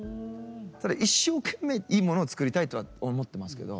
ただ一生懸命いいものを作りたいとは思ってますけど。